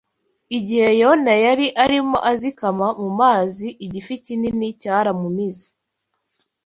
Igihe Yona yari arimo azikama mu mazi igifi kinini cyaramumize